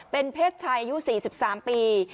เป็นเพชรชายู๔๓ปี